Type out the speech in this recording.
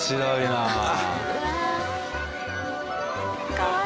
かわいい。